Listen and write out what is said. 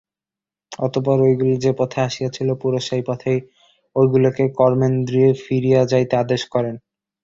অতঃপর ঐগুলি যে-পথে আসিয়াছিল, পুরুষ সেই পথেই ঐগুলিকে কর্মেন্দ্রিয়ে ফিরিয়া যাইতে আদেশ করেন।